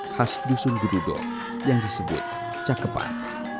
khas dusun gerudodo yang disebut cakepan